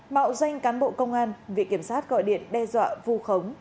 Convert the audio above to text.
mạo danh cán bộ công an vị kiểm soát gọi điện đe dọa vu khống